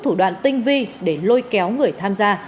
thủ đoạn tinh vi để lôi kéo người tham gia